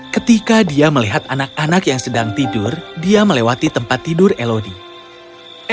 ketika dia melihat anak anak yang sedang tidur dia melewati tempat tidur elodie